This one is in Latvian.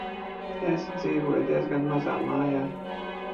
Es dzīvoju diezgan mazā mājā.